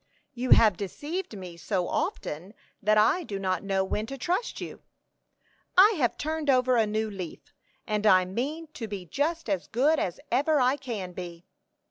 "You have deceived me so often that I do not know when to trust you." "I have turned over a new leaf, and I mean to be just as good as ever I can be."